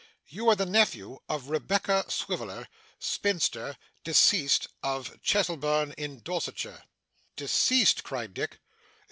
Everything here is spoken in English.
You are the nephew of Rebecca Swiveller, spinster, deceased, of Cheselbourne in Dorsetshire.' 'Deceased!' cried Dick.